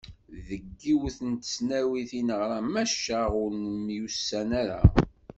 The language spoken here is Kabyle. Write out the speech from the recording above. Deg yiwet n tesnawit i neɣra maca ur nemyussan ara.